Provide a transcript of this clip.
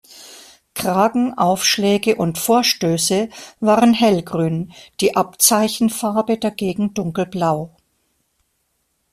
Kragen, Aufschläge und Vorstöße waren hellgrün, die Abzeichenfarbe dagegen dunkelblau.